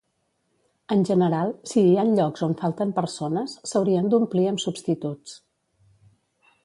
En general, si hi han llocs on falten persones, s'haurien d'omplir amb substituts.